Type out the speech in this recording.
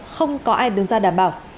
không có ai đứng ra đảm bảo